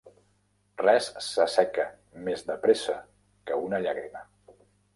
Res se seca més de pressa que una llàgrima.